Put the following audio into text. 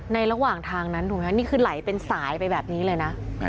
ระหว่างทางนั้นถูกไหมนี่คือไหลเป็นสายไปแบบนี้เลยนะ